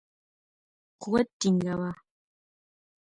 قوت ټینګاوه.